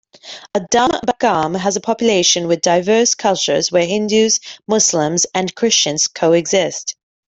Adambakkam has a population with diverse cultures where Hindus, Muslims and Christians co-exist.